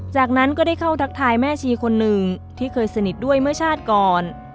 จากนั้นก็ได้เข้าทักทายแม่ชีคนหนึ่งที่เคยสนิทด้วยเมื่อชาติก่อน